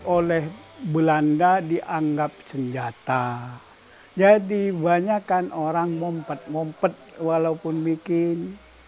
oleh belanda dianggap senjata jadi banyak orang mempet mepet walaupun bikin